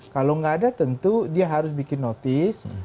kalau nggak ada tentu dia harus bikin notice